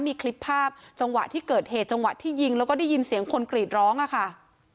มีคลิปภาพจังหวะที่เกิดเหตุจังหวะที่ยิงแล้วก็ได้ยินเสียงคนกรีดร้องอะค่ะ